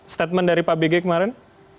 statement dari pak bg kemarin